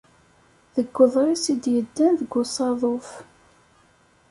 Deg uḍris i d-yeddan deg usaḍuf.